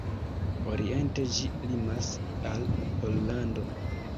Oriente ĝi limas al Pollando.